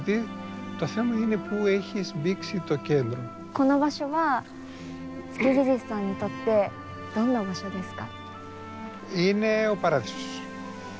この場所はツキジジスさんにとってどんな場所ですか？